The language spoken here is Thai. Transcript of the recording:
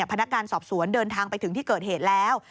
พนักงานสอบสวนเดินทางไปถึงที่เกิดเหตุแล้ว